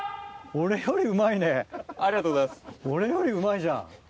俺よりうまいじゃん。